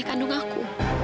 ayah kandung aku